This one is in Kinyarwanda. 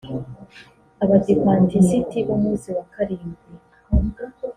Abadivantisiti b’Umunsi wa Karindwi